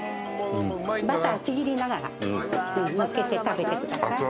バターちぎりながら分けて食べてください。